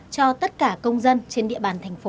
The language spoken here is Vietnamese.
cho tất cả công dân trên địa bàn thành phố